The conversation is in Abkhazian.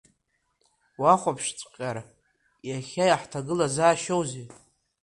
Уахәаԥшҵәҟ-ьар, иахьа иаҳҭагылазаашьоузеи?